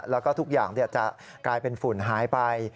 แล้วก็ทุกอย่างจะกลายเป็นฝุ่นหายไป